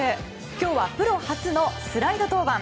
今日はプロ初のスライド登板。